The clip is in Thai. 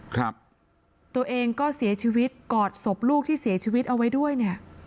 ครับตัวเองก็เสียชีวิตกอดศพลูกที่เสียชีวิตเอาไว้ด้วยเนี่ย